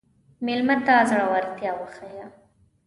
مېلمه ته زړورتیا وښیه.